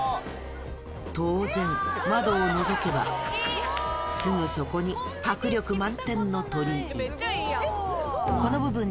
当然窓をのぞけばすぐそこに迫力満点の鳥居今にもはい馬場さん。